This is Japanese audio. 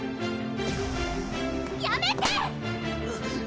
やめて！